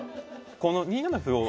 この２七歩を。